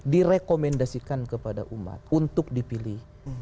direkomendasikan kepada umat untuk dipilih